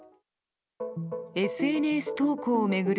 ＳＮＳ投稿を巡る